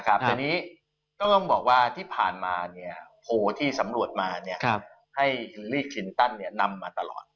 ก็ต้องบอกว่าที่ผ่านมาโพลที่สำรวจมาให้เคลียร์รีคินตันนำมาตลอด